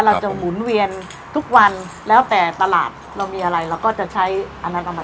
หมุนเวียนทุกวันแล้วแต่ตลาดเรามีอะไรเราก็จะใช้อันนั้นออกมา